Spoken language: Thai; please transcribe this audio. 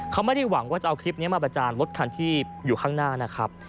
เขาไม่ได้หวังว่าจะเอาคลิปนี้มาประจานรถคันที่อยู่ข้างหน้านะครับ